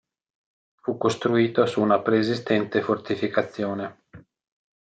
Fu costruito su una preesistente fortificazione.